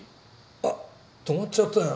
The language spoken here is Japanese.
あっ止まっちゃったよ。